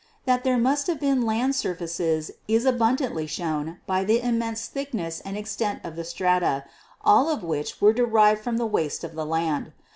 vHiat there must have been land surfaces is abundantly shown by the immense thickness and extent of the strata, all of which were derived from, the waste of the land.